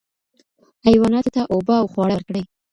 حیواناتو ته اوبه او خواړه ورکړئ.